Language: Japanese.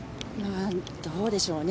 どうでしょうね。